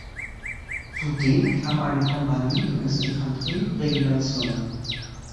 Zudem kam eine Kompanie in das Infanterieregiments Nr.